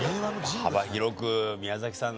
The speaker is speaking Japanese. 幅広く宮崎さん。